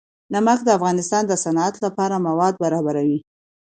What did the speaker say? نمک د افغانستان د صنعت لپاره مواد برابروي.